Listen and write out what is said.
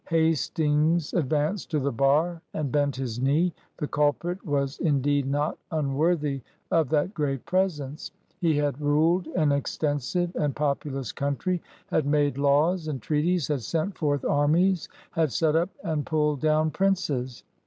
Hastings ad vanced to the bar, and bent his knee. The culprit was indeed not unworthy of that great presence. He had ruled an extensive and populous country, had made laws and treaties, had sent forth armies, had set up and pulled down princes.